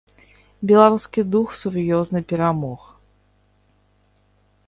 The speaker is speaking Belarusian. Беларускі дух сур'ёзна перамог!